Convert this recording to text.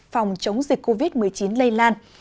phòng chống dịch covid một mươi chín lây lan